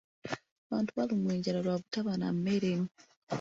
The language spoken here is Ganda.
Abantu balumwa enjala lwa butaba na mmere.